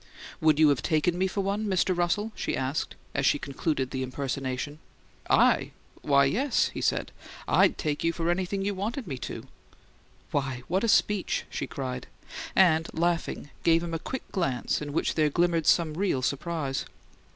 "Would you have taken me for one, Mr. Russell?" she asked, as she concluded the impersonation. "I? Why, yes," he said. "I'D take you for anything you wanted me to." "Why, what a speech!" she cried, and, laughing, gave him a quick glance in which there glimmered some real surprise.